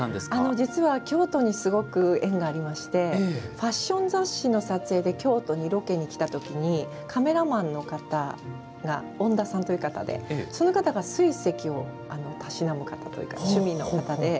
実は京都にすごく縁がありましてファッション雑誌の撮影で京都にロケに来たときにカメラマンの方がおんださんという方でその方が水石をたしなむ趣味の方で。